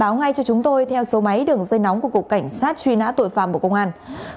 báo ngay cho chúng tôi theo số máy đường dây nóng của cục cảnh sát truy nã tội phạm bộ công an